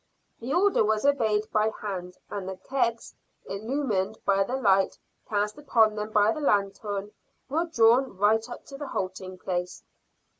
The order was obeyed by hand, and the kegs, illumined by the light cast upon them by the lanthorn, were drawn right up to the halting place.